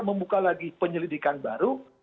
membuka lagi penyelidikan baru